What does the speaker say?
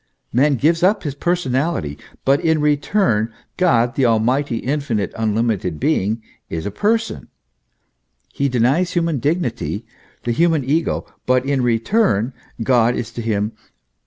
Man gives up his personality; but in return, God, the Al mighty, infinite, unlimited being, is a person ; he denies human dignity, the human ego; but in return God is to him THE ESSENCE OF EELIGION.